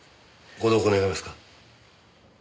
ご同行願えますか？